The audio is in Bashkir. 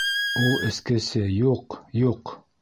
Ул эскесе юҡ, юҡ!